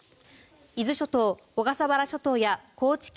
伊豆諸島、小笠原諸島や高知県